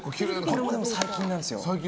これもでも、最近なんですよ。